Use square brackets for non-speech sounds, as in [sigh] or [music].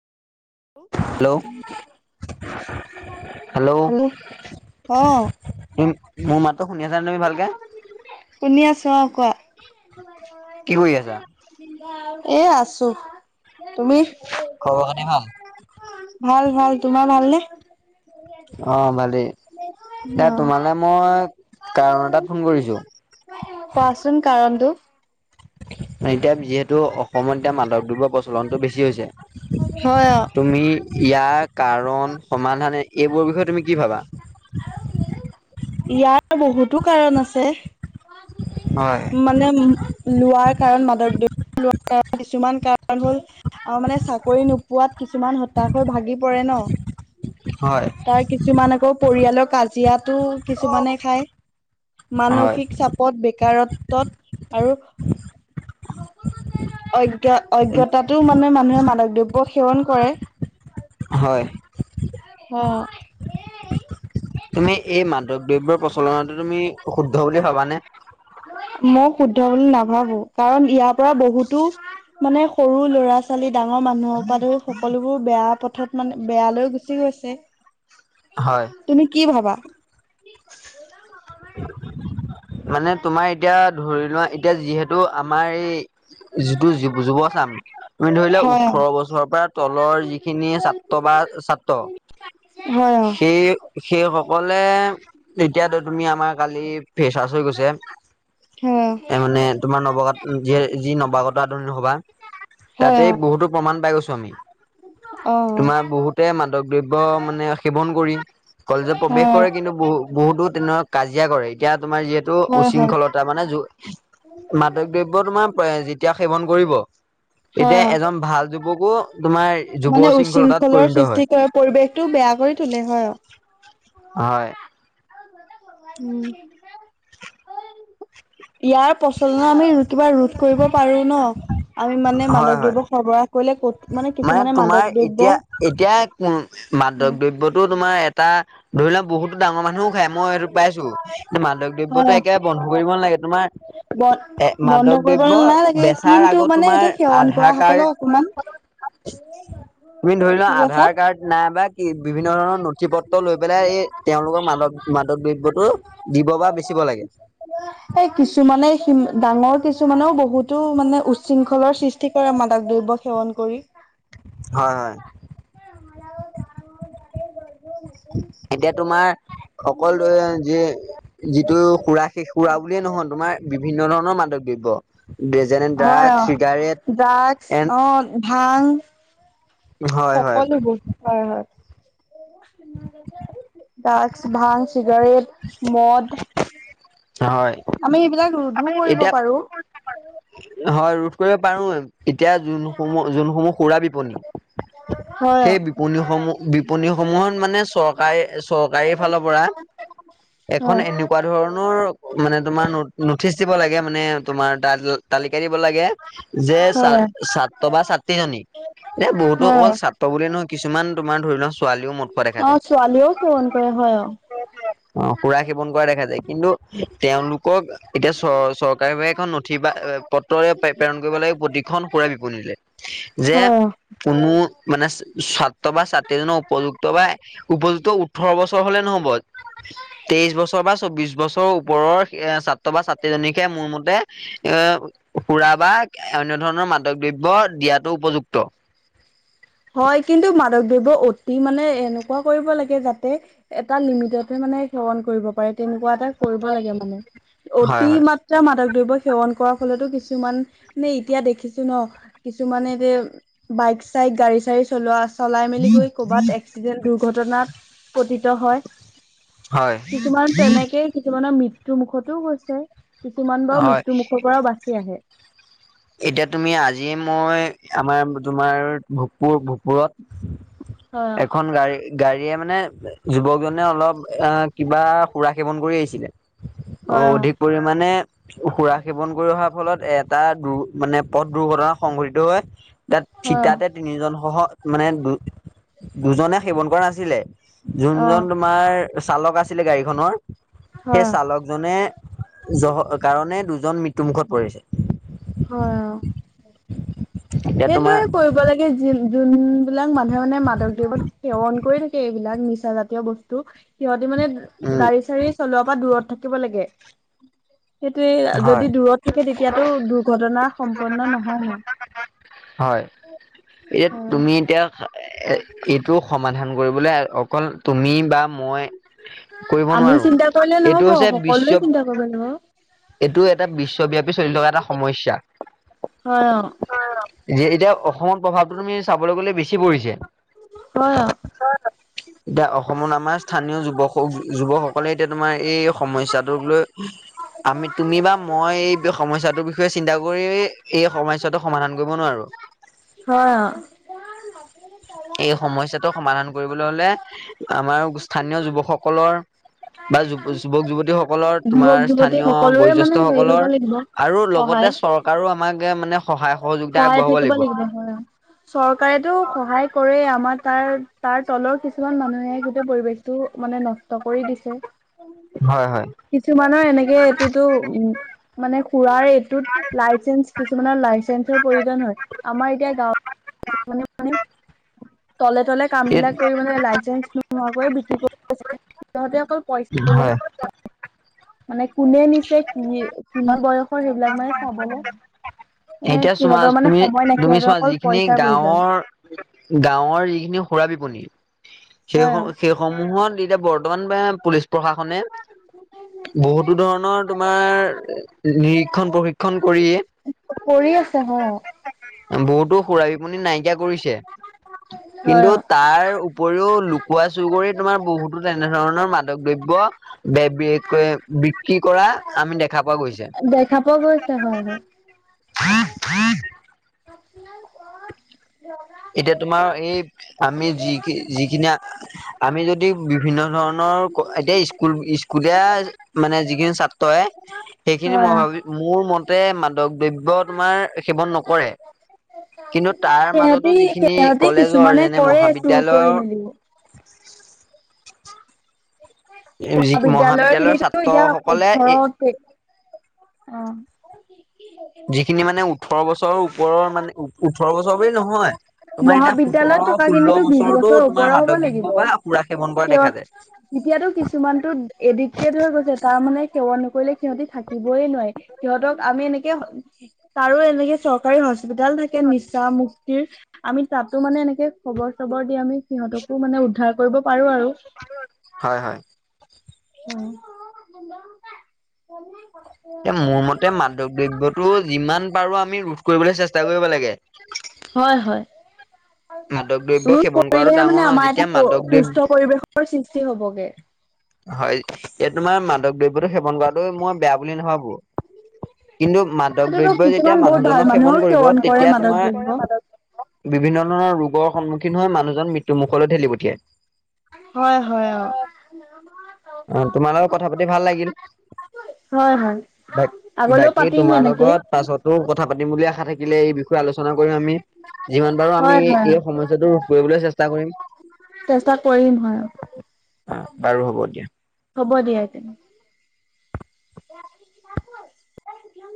Hello, hello. অ মোৰ, মোৰ মাততো শুনি আছা নে তুমি ভালকে? শুনি আছো অ', কোৱা। কি কৰি আছা? এ আছো, তুমি? খবৰ খাতি ভাল? ভাল ভাল, তোমাৰ ভাল নে? অ', ভালেই, এতিয়া অ তোমালে মই কাৰণ এটাত ফোন কৰিছো। কোৱাচোন কাৰণটো। [unintelligible] টো অসমত এতিয়া মাদক দ্ৰব্যৰ প্ৰচলনটো বেছি হৈছে। হয় অ তুমি ইয়াক কাৰণ সমাধানে এইবোৰৰ বিষয়ে তুমি কি ভাবা? ইয়াৰ বহুতো কাৰণ আছে। হয়। এনে লোৱাৰ কাৰণ মাদক লোৱাৰ কাৰণ কিছুমান কাৰণ হ'ল আৰু মানে চাকৰি নোপোৱাত কিছুমান হতাশ হৈ ভাগি পৰে ন, হয়, তাৰ কিছুমান আকৌ পৰিয়ালৰ কাজিয়াটো কিছুমানে খায়। হয়। মানসিক চাপ পদ বেকাৰত্বত আৰু অজ্ঞতাটো মানে মানুহে মাদক দ্ৰব্য সেৱন কৰে। হয়। অ। তুমি এই মাদৱ দ্ৰব্যৰ প্ৰচলনতটো তুমি অশুদ্ধ বুলি ভাবানে? মই শুদ্ধ বুলি নাভাবো কাৰণ ইয়াৰ পৰা বহুতো মানে সৰু ল'ৰা ল'ৰা-ছোৱালী ডাঙৰ মানুহৰ পৰা ধৰা সকলোবোৰ বেয়া পথত মানে বেয়ালৈ গুচি গৈছে। হয়। তুমি কি ভাবা? মানে তোমাৰ এতিয়া ধৰি লোৱা এতিয়া যিহেতু আমাৰ এই যিটো যু-যুৱ-যুৱচাম তুমি ধৰিলোৱা হয় অ, ওঠৰ বছৰৰ পৰা তলৰ যিখিনি ছাত্ৰ বা ছাত্ৰ হয় অ। সেই সেই সকলে এতিয়া ধৰি তুমি আমাৰ কালি ফেচাছ হৈ গৈছে হয় অ। এ মানে তোমাৰ নৱাগত য যি নৱাগত আধুনিক সভা হয় তাতে বহুতো প্ৰাণ পাই গৈছো আমি। অ, অ। তোমাৰ বহুতে মাদক মানে সেৱন কৰি কলেজত অ', প্ৰৱেশ কৰে কিন্তু বু বহু দূৰ কাজিয়া কৰে, এতিয়া তোমাৰ যিহেতু হয় হয় উশৃংখলতা মানে মাদক দ্ৰব্য তোমাৰ এ যেতিয়া সেৱন কৰিব হয় তেতিয়া অ'। এজন ভাল যুৱকো তোমাৰ যুৱ শৃংখলতাত পৰিণত হয়। ত পৰিৱেশটো বেয়া কৰি তোলে হয় অ। হয়। ইয়াৰ প্ৰচলন আমি কিবা ৰু কৰিব পাৰো ন, আমি মানে হয় হয় মাধৱদেৱক সৰবৰাহ কৰিলে ক'ত মানে মানে কিছুমানে তোমাৰ মাদক দ্ৰব্য এতিয়া, এতিয়া কন অ', মাদক দ্ৰব্যটো তোমাৰ এটা ধৰি লও বহুতো ডাঙৰ মানুহ মই সেইটো পাইছো, কি মাদক দ্ৰব্যতো হয় একেবাৰে বন্ধ কৰিব নালাগে, তোমাৰ ব এ বন্ধ মাদক কৰিব দ্ৰব্য, নালাগে বেচাৰ কিন্তু আগত মানে সেইটো তোমাৰ সেৱন কৰা আধাৰ সকলক অকমান কাৰ্ড তুমি ধৰি লোৱা কি কৈছা আধাৰ কাৰ্ড নাইবা বিভিন্ন ধৰণৰ নথি পত্ৰ লৈ পেলাই এই তেওঁলোকৰ মাদক মাদক দ্ৰব্যটো দিব বা বেচিব লাগে। এই কিছুমানে সিম ডাঙৰ কিছুমানেও বহুতো মানে উৎশৃংখলৰ সৃষ্টি কৰে মাদক দ্ৰব্য সেৱন কৰি। হয়-হয়। অ [unintelligible] এতিয়া তোমাৰ, অকল যিটো সুৰা সেই সুৰা বুলিয়ে নহয়, তোমাৰ বিভিন্ন ধৰণৰ মাদক দ্ৰব্য যেনে হয় ড্ৰাগ, অ'। চিগাৰেট ড্ৰাগছ এণ্ অ' হয়-হয়। হয়-হয়। ড্ৰাচ, ভাং, চিগাৰেট মদ হয়। আমি এইবিলাক ৰোধো কৰিব এতিয়া পাৰো। হয়, ৰোধ কৰিব পাৰো। এতিয়া যোনসমূহ, যোনসমূহ সুৰা বিপনী হয়। সেই বিপনিসমূহ, বিপণীসমূহত মানে চৰকাৰ, চৰকাৰী ফালৰ পৰা এখন হয়। এনেকুৱা ধৰণৰ তোমাৰ নথিচ দিব লাগে মানে তোমাৰ তাত। তালিকা দিব লাগে, যে হয়। ছাত্ৰ বা ছাত্ৰীজনী এ বহুতো হয়। অকল ছাত্ৰ পাবলে নহয় কিছুমান তোমাৰ ধৰি লোৱা ছোৱালীও মদ খোৱা দেখা অ যায়, ছোৱালীয়েও সেৱন কৰে হয় অ। অ, সুৰা সেৱন কৰা দেখা যায়। কিন্তু তেওঁলোকক এতিয়া চ, চৰকাৰী ভাবে এখন নথি বা পত্ৰ প্ৰেৰণ কৰিব লাগে, প্ৰতিখন সুৰাই বিপনীলে। যে হয়। কোনো মানে ছাত্ৰ বা ছাত্ৰজন উপযুক্ত বা উপযুক্ত ওঠৰ বছৰ হলে নহ'ব, তেইশ বছৰ বা চৌবিশ বছৰ বছৰৰ ওপৰৰ এ, ছাত্ৰ বা ছাত্ৰীজনকে মোৰ মতে এ, সুৰা বা অন্য ধৰণৰ মাদক দ্ৰব্য দিয়াতো উপযুক্ত। হয় কিন্তু, মাদক দ্ৰৱ্য অতি মানে এনেকুৱা কৰিব লাগে যাতে এটা লিমিটতহে মানে সেৱন কৰিব পাৰে, তেনেকুৱা এটা কৰিব লাগে মানে, হয় অতি হয়। মাত্ৰ মাদক দ্ৰব্য সেৱন কৰাৰ ফলতো কিছুমান, মানে এতিয়া দেখিছো ন'। কিছুমানে এতিয়া, বাইক চাইক চলোৱা, চলাই মেলি গৈ কৰ'বাত এক্সিডেন্ট দুৰ্ঘটনাত গতিত হয়। হয় কিছুমান তেনেকেই কিছুমানৰ মৃত্যু মুুখতোও হৈছে, কিছুমান বাৰু হয় মৃত্যু মুখৰ পৰাও বাছি আহে। এতিয়া তুমি আজি মই, আমাৰ তোমাৰ ভূকপুৰ, ভূকপুৰত হয় অ, এখন গাড়ী গাড়ীয়ে মানে, যুৱকজনে অলপ অ', কিবা সুৰা সেৱন কৰি আহিছিলে। অ', অধিক পৰিমণে সুৰা সেৱন কৰি অহাৰ ফলত এটা, দু মানে পথ দুৰ্ঘটনা সংঘটিত হয় তাত হয় অ', থিতাতে তিনিজন সহ মানে দু দুজনে সেৱন কৰা নাছিলে অ, যোনজন তোমাৰ চালক আছিলে গাৰি খনৰ সেই হয় অ, চালক দুজনে জহ কাৰণে দুজন মৃত্যুমুখত পৰিছে। হয় অ, এতিয়া তোমাৰ সেইটোৱে কৰিব লাগে যি যোন বিলাক মানুহে মানে মাধকদেৱত সেৱন কৰি থাকে, এইবিলাক নিচা জাতীয় বস্তু। সিহঁতে মানে উম গাড়ী চাড়ী চলোৱাৰ পৰা দূৰত থাকিব লাগে। সেইটোয়ে যদি হয় দূৰত ত' তেতিয়াতো দুৰ্ঘটনা সম্পন্ন নহয় ন। হয়, এতিয়া তুমি এতিয়া এ, এইটো সমাধান কৰিবলৈ অকল তুমি বা মই কৰিব আমি নোৱাৰোঁ, চিন্তা কৰিলে নহব এইটো হৈছে সকলোৱে বিশ্ব চিন্তা কৰিব লাগিব এইটো এটা বিশ্বব্যাপী চলি থকা এটা সমস্যা। হয় অ'। যে এতিয়া অসমত প্ৰভাৱটো তুমি চাবলৈ গলে বেছি পৰিছে। হয় অ এতিয়া অসমত আমাৰ স্থানীয় যুৱক যুৱকসকলে এতিয়া তোমাৰ এই সমস্যাটোক লৈ আমি তুমি বা মই এই সমস্যাটোৰ বিষয়ে চিন্তা কৰি এই সমস্যাটো সমাধান কৰিব নোৱাৰোঁ। হয় অ'। [unintelligible] এই সমস্যাটো সমাধান কৰিবলৈ হলে আমাৰ স্থানীয় যুৱকসকলৰ বা যুৱক যুৱতীসকলৰ যুৱক তোমাৰ যুৱতী স্থানীয় সকলোৰে মানে হেৰি হ'ব বয়োজেষ্ঠসকলৰ লাগিব আৰু লগতে সহায় চৰকাৰোও আমাকে মানে সহায় সহযোগিতা সহায় আগবঢ়াব থাকিব লাগিব। হয় চৰকাৰেতো সহায় কৰে আমাৰ তাৰ, তাৰ তলৰ কিছুমান মানুহে গোটেই পৰিৱেশতটো মানে নষ্ট কৰি দিছে। হয়, হয়। কিছুমানৰ এনেকে এইটোতো উম, মানে খুৰায়েই টোত লাইচেঞ্চ, কিছুমানৰ লাইচেঞ্চৰ প্ৰয়োজন হয়। আমাৰ এতিয়া গাঁৱত মানে তলে, তলে কাম এই বিলাক কৰি মানে লাইচেন্স নোহোৱাকৈয়ে বিক্ৰী কৰি দিছে। তহঁতে অকল পইচ হয়। মানে কোনে নিছে, কি কিমান বয়সৰ সেইবিলাক মানে চাবলে এ এতিয়া চোৱা সিহঁতৰ মানে তুমি, সময় নাই তুমি সিহঁতৰ চোৱা অকল যিখিনি পইচাৰ প্ৰয়োজন গাঁৱৰ গাঁৱৰ যিখিনি বিপনী। সেই হয় অ সেইসমূহত এতিয়া বৰ বৰ্তমান বা পুলিচ প্ৰশাসনে, বহুতো ধৰণৰ তোমাৰ নিৰিক্ষণ প্ৰশিক্ষণ কৰিয়ে কৰি আছে হয় আৰু। বহুতো খুৰা বিপনী নাইকিয়া কৰিছে, হয় কিন্তু অ তাৰ উপৰিও লুকোৱা চুৰ কৰি তোমাৰ বহুতো তেনেধৰণৰ মাদক দ্ৰব্য বে-বে-কে-বিক্ৰী কৰা আমি দেখা পোৱা গৈছে। দেখা পোৱা গৈছে হয়, হয়। [inaudible] এতিয়া তোমাৰ এই আমি যি-যিখিনি আমি যদি বিভিন্ন ধৰণৰ এতিয়া স্কুল স্কুলীয়া মানে যিখিনি ছাত্ৰয়ে সেইখিনি হয় মই অ ভাবি মোৰ মতে মাদক দ্ৰব্য তোমাৰ সেৱন নকৰে। কিন্তু তাৰ মাজতো সিহঁতি যিখিনি সিহঁতি কলেজৰ, কিছুমানে যেনে কৰে চুৰ কৰি মহাবিদ্যালয়ৰ মেলি যি মহাবিদ্যালয় মহাবিদ্যালয়ৰ খিনিতো এতিয়া ছাত্ৰসকলে ওঠৰ, এই অ'। যিখিনি মানে ওঠৰ বছৰৰ ওপৰৰ মানে, ওঠৰ বছৰ বুলি নহয়। তোমাৰ এতিয়া মহাবিদ্যালয়ত থকা সোতৰ ষোল্ল খিনিতো বিশ বছৰতো বছৰ তোমাৰ ওপৰৰ হ'ব মাদক দ্ৰব্য বা লাগিব সুৰা সেৱন কৰা দেখা যায়। এতিয়াতো কিছুমানতো এডিক্টেড হৈ গৈছে, তাৰ মানে সেৱন নকৰিলে সিহঁতি থাকিবই নোৱাৰে। সিহঁতক আমি এনেকে, তাৰো এনেকে চৰকাৰী হস্পিতাল থাকে নিচা মুক্তিৰ। আমি তাতো মানে এনেকে খবৰ চবৰ দি আমি সিহঁতকো মানে উদ্ধাৰ কৰিব পাৰোঁ আৰু। হয় হয়। [unintelligible] এ মোৰ মতে মাদক দ্ৰব্যতটো যিমান পাৰো আমি ৰোধ কৰিবলে চেষ্টা কৰিব লাগে। হয় হয়। মাদক দ্ৰব্য ৰোধ সেৱন কৰাটো কৰিলেহে মানে ডাঙৰ নহয়, আমাৰ এটা যেতিয়া মাদক দ্ৰব্ সুস্থ পৰিৱেশৰ সৃষ্টি হবগে হয় ইয়াত তোমাৰ মাদক দ্ৰব্যতো সেৱন কৰাটো মই, বেয়া বুলি নাভাবো। কিন্তু মাদক সেইটোতো দ্ৰব্যই কিছুমান যেতিয়া বহুত ভাল মানুহজনক সেৱন মানুহেও কৰিব কৰে তেতিয়া মাদক দ্ৰব্য। তোমাৰ বিভিন্ন ধৰণৰ ৰোগৰ সন্মুখীন হৈ, মানুহজন মৃত্যু মুুখলৈ ঠেলি পঠিয়াই। হয় হয় অঁ। অঁ তোমাৰ লগত কথা পাতি ভাল লাগিল। হয় হয়। বা আগলৈও বাকী পাতিম তোমাৰ এনেকে। লগত পাছতো কথা পাতিম বুলি আশা থাকিলে, এই বিষয়ে আলোচনা কৰিম আমি। যিমান পাৰো আমি, হয় হয়। এই সমস্যাটো ৰোধ কৰিবলৈ চেষ্টা কৰিম। চেষ্টা কৰি ৰিম হয়। বাৰু হ'ব দিয়া। হ'ব দিয়া এতিয়া। [unintelligible]